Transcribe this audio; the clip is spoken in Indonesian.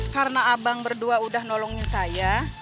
karena abang berdua udah nolongin saya